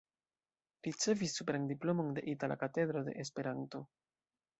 Ricevis superan diplomon de Itala Katedro de Esperanto.